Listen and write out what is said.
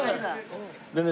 でね